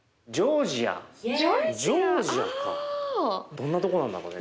どんなとこなんだろうね。